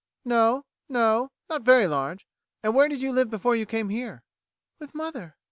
"No no. Not very large. And where did you live before you came here?" "With mother."